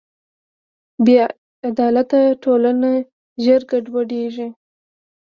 بېعدالته ټولنه ژر ګډوډېږي.